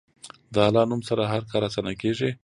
د الله نوم سره هر کار اسانه کېږي.